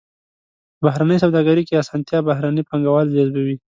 په بهرنۍ سوداګرۍ کې اسانتیا بهرني پانګوال جذبوي.